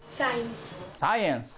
サイエンス。